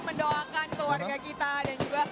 mendoakan keluarga kita dan juga